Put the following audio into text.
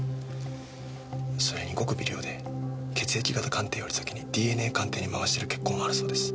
それにごく微量で血液型鑑定より先にＤＮＡ鑑定に回してる血痕もあるそうです。